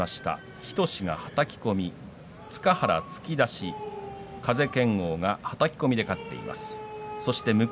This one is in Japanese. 日翔志、はたき込み塚原、突き出し風賢央、はたき込みで勝っています。